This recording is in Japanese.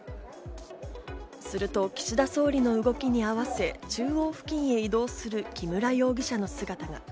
すると岸田総理の動きに合わせ中央付近へ移動する木村容疑者の姿が。